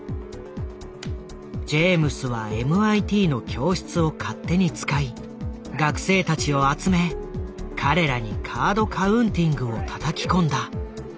ジェームスはＭＩＴの教室を勝手に使い学生たちを集め彼らにカード・カウンティングをたたき込んだ。